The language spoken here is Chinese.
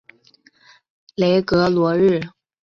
雷格罗日。